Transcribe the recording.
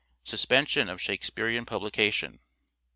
Suspension of Shakespearean publication.